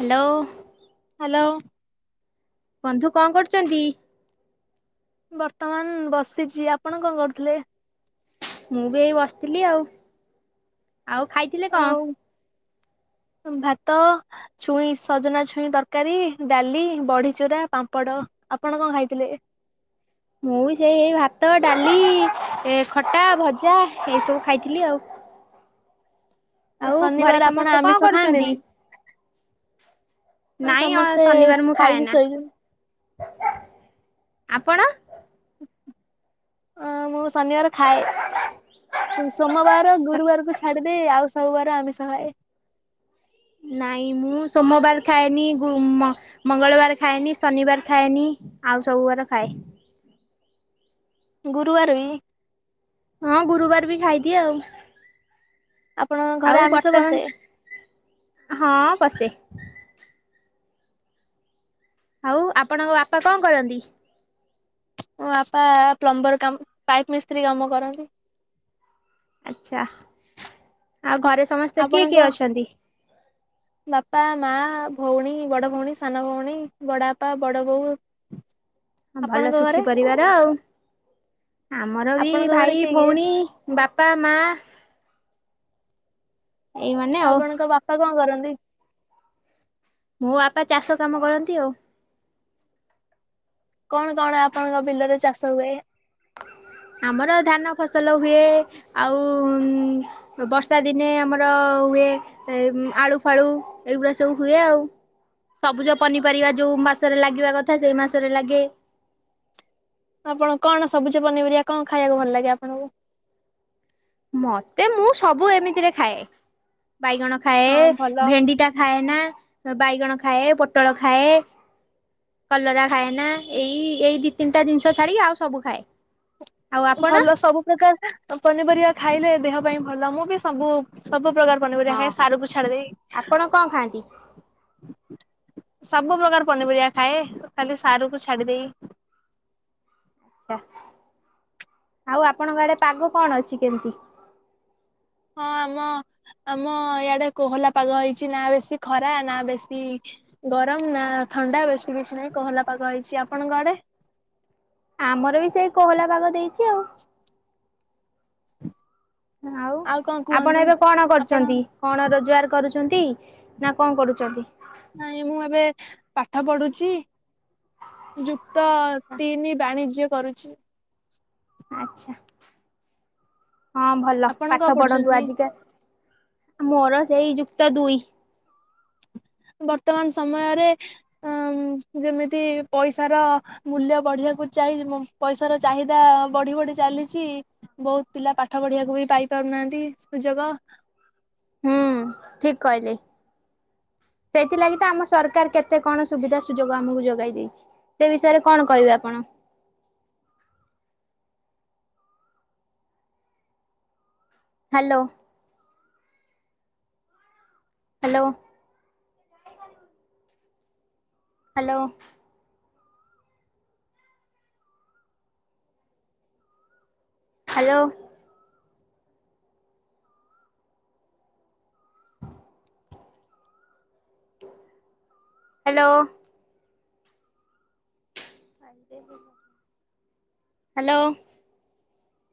Hello. Hello. ବନ୍ଧୁ କଣ କରୁଛନ୍ତି? ବର୍ତ୍ତମାନ ବସିଛି ଆପଣ କଣ କରୁଥିଲେ? ମୁଁ ବି ଏଇ ବସିଥିଲି ଆଉ ଆଉ ଖାଇଥିଲେ କଣ? ଆଉ ଭାତ ଛୁଇଁ ସଜନା ଛୁଇଁ ତରକାରୀ, ଡାଲି, ବଡି ଚୁରା, ପାମ୍ପଡ଼। ଆପଣ କଣ ଖାଇଥିଲେ? ମୁଁ ବି ସେଇ ଭାତ, ଡାଲି ଏ ଖଟା, ଭଜା ଏଇସବୁ ଖାଇଥିଲି ଆଉ। ଆଉ ଘରେ ଶନିବାର ଆପଣ ସମସ୍ତେ କଣ ଆମିଷ କରୁଛନ୍ତି? ଖାଆନ୍ତିନି? ନାଇଁ ଅ ସମସ୍ତେ ଶନିବାର ମୁଁ ଖାଏ ଖାଇକି ଶୋଇଛନ୍ତି ନା। ଆପଣ? ଅ ମୁଁ ଶନିବାର ଖାଏ ସୋମବାର ଗୁରୁବାରକୁ ଛାଡିଦେଇ ଆଉ ସବୁବାର ଆମିସ ଖାଏ। ନାଇଁ ମୁଁ ସୋମବାର ଖାଏନି ଗୁ ମ ମଙ୍ଗଳବାର ଖାଏନି ଶନିବାର ଖାଏନି। ଆଉ ସବୁ ବାର ଖାଏ। ଗୁରୁବାର ବି? ହଁ ଗୁରୁବାର ବି ଖାଇଦିଏ ଆଉ। ଆପଣଙ୍କ ଘରେ ଆଉ ଆମିଷ ବସେ ବର୍ତ୍ତମାନ ହଁ ବସେ ଆଉ ଆପଣଙ୍କ ବାପା କଣ କରନ୍ତି? ମୋ ବାପା ପ୍ଲମ୍ବର କାମ ପାଇପ୍ ମିସ୍ତ୍ରୀ କାମ କରନ୍ତି। ଆଛା ଆଉ ଘରେ ସମସ୍ତେ କିଏ କିଏ ଆପଣଙ୍କ ଅଛନ୍ତି? ବାପା ମା ଭଉଣୀ ବଡ ଭଉଣୀ ସାନ ଭଉଣୀ ବଡବାପା ବଡବୋଉ ହଁ ଭଲ ସୁଖୀ ପରିବାର ଆଉ ଆମର ବି ଆପଣଙ୍କ ଘରେ ଭାଇ କିଏ କିଏ ଭଉଣୀ ବାପା ମା ଏଇମାନେ ଆଉ। ଆପଣଙ୍କ ବାପା କଣ କରନ୍ତି? ମୋ ବାପା ଚାଷ କାମ କରନ୍ତି ଆଉ କଣ କଣ ଆପଣଙ୍କ ବିଲରେ ଚାଷ ହୁଏ? [inaudible] ଆମର ଧାନ ଫସଲ ହୁଏ ଆଉ ବର୍ଷା ଦିନେ ଆମର ହୁଏ ଆଳୁ ଫାଳୁ ଏଇଗୁଡା ସବୁ ହୁଏ ଆଉ ସବୁଜ ପନିପାରିବା ଯୋଉ ମାସରେ ଲାଗିବା କଥା ସେଇ ମାସରେ ଲାଗେ। ଆପଣ କଣ ସବୁଜ ପନିପରିବା କଣ ଖାଇବାକୁ ଭଲ ଲାଗେ ଆପଣଙ୍କୁ? ମତେ ମୁଁ ସବୁ ଏମିତିରେ ଖାଏ। ବାଇଗଣ ଖାଏ ହଁ ଭଲ ଭେଣ୍ଡି ଟା ଖାଏନା। ବାଇଗଣ ଖାଏ ପୋଟଳ ଖାଏ। କଲରା ଖାଏନା ଏଇ ଏଇ ଦି ତିନିଟା ଜିନିଷ ଛାଡିକି ଆଉ ସବୁ ଖାଏ। ଆଉ ଆପଣ? ଭଲ ସବୁ ପ୍ରକାର ପନିପରିବା ଖାଇଲେ ଦେହ ପାଇଁ ଭଲ ମୁଁ ବି ସବୁ ସବୁ ପ୍ରକାର ପନିପରିବା ହଁ ଖାଏ ସାରୁକୁ ଛାଡି ଦେଲେ। ଆପଣ କଣ ଖାଆନ୍ତି? ସବୁ ପ୍ରକାର ପନିପରିବା ଖାଏ ଖାଲି ସାରକୁ ଛାଡି ଦେଇକି। ଆଛା ଆଉ ଆପଣଙ୍କ ଆଡେ ପାଗ କଣ ଅଛି କେମିତି? ହଁ ଆମ। ଆମ ଇଆଡେ କୋହଲା ପାଗ ହେଇଛି ନା ବେଶୀ ଖରା ନା ବେଶୀ ଗରମ ନା ଥଣ୍ଡା ବେଶୀ କିଛି ନାଇଁ କହଲା ପାାଗ ହେଇଛି, ଆପଣଙ୍କ ଆଡେ? ଆମର ବି ସେଇ କୋହଲା ପାଗ ଦେଇଛି ଆଉ। ଆଉ କଣ କୁହନ୍ତୁ? ଆପଣ ଏବେ କଣ ଆପଣ କରୁଛନ୍ତି କଣ ରୋଜଗାର କରୁଛନ୍ତି? ନା କଣ କରୁଛନ୍ତି? ନାଇଁ ମୁଁ ଏବେ ପାଠ ପଢୁଛି ଯୁକ୍ତ ଆଛା ତିନି ବାଣିଜ୍ୟ କରୁଛି। ଆଚ୍ଛା। ହଁ ଭଲ ଆପଣ କଣ ପାଠ ପଢନ୍ତୁ ପଢୁଛନ୍ତି? ଆଜିକା ମୋର ସେହି ଯୁକ୍ତଦୁଇ ବର୍ତ୍ତମାନ ସମୟରେ ଉଁ ଯେମିତି ପଇସାର ମୂଲ୍ୟ ବଢିବାକୁ ପଇସା ର ଚାହିଦା ବଢିବଢି ଚାଲିଛି ବହୁତ ପିଲା ପାଠ ପଢିବାକୁ ବି ପାଇ ପାରୁନି ଆନ୍ତି ସୁଯୋଗ ହୁଁ ଠିକ କହିଲେ। ସେଇଥିଲାଗି ତ ଆମ ସରକାର କେତେ କଣ ସୁବିଧା ସୁଯୋଗ ଆମକୁ ଯୋଗେଇ ଦେଇେଛି ସେ ବିଷୟରେ କଣ କହିବେ ଆପଣ? Hello. Hello. Hello. Hello. Hello. ଆଜ [unintelligible] ହ୍ୟାଲୋ।